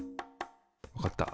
分かった。